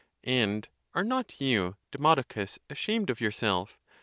And are not you, Demodocus, ashamed of yourself?